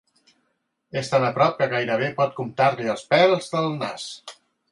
És tan a prop que gairebé pot comptar-li els pèls del nas.